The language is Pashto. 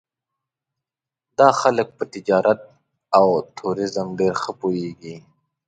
دا خلک په تجارت او ټوریزم ډېر ښه پوهېږي.